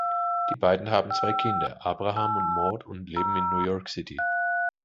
Die beiden haben zwei Kinder, Abraham und Maude und leben in New York City.